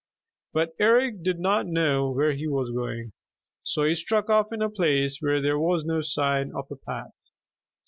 But Eric did not know where he was going, so he struck off in a place where there was no sign of a path.